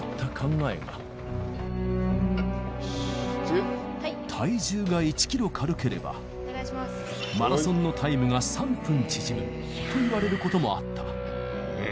ーたいじゅうが１キロ軽ければ、マラソンのタイムが３分縮むといわれることもあった。